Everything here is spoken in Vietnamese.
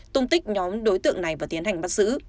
tung tích nhóm đối tượng này và tiến hành bắt giữ